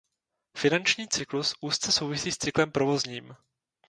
Finanční cyklus úzce souvisí s cyklem provozním.